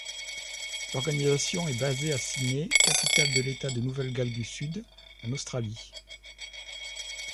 L'organisation est basée à Sydney, capitale de l’État de Nouvelle-Galles du Sud, en Australie.